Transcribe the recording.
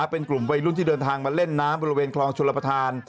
เป็นกลุ่มวัยรุ่นที่เดินทางมาเล่นน้ำบริเวณคลองชลประธาน